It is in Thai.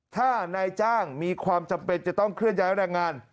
ถ้านายจ้างมีความจำเป็นจะต้องเคลื่อนย้ายแรงงาน